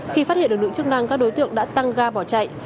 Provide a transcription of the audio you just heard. khi phát hiện lực lượng chức năng các đối tượng đã tăng ga bỏ chạy